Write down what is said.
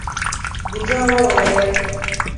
بوډا وويل: